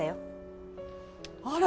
あら！